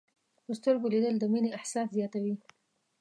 په سترګو لیدل د مینې احساس زیاتوي